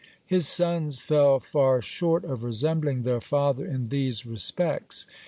(43) His sons fell far short of resembling their father in these respects.